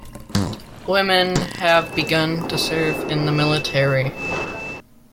Women have begun to serve in the military.